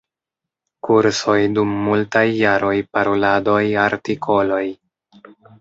Kursoj dum multaj jaroj, paroladoj, artikoloj.